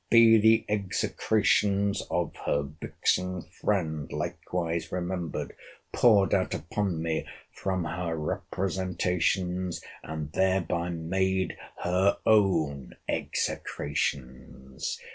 Be the execrations of her vixen friend likewise remembered, poured out upon me from her representations, and thereby made her own execrations!